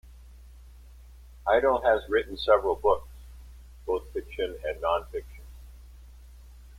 Idle has written several books, both fiction and non-fiction.